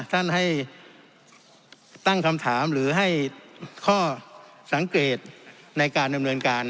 ท่านให้ตั้งคำถามหรือให้ข้อสังเกตในการดำเนินการ